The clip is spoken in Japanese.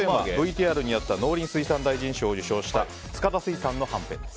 ＶＴＲにあった農林水産大臣賞を受賞したいただきます。